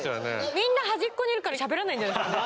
みんな端っこにいるからしゃべらないんじゃないですかね。